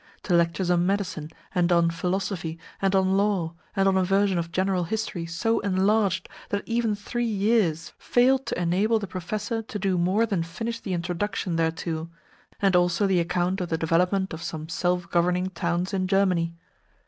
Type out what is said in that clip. to lectures on medicine, and on philosophy, and on law, and on a version of general history so enlarged that even three years failed to enable the professor to do more than finish the introduction thereto, and also the account of the development of some self governing towns in Germany.